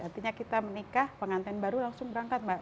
artinya kita menikah pengantin baru langsung berangkat mbak